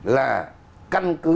là căn cứ